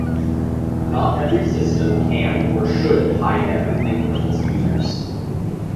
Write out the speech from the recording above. Not every system can or should hide everything from its users.